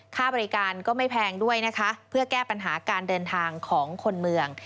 ค่าบริการก็ไม่แพงด้วยนะคะเพื่อแก้ปัญหาการเดินทางของคนเมือง